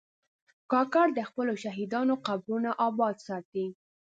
کاکړ د خپلو شهیدانو قبرونه آباد ساتي.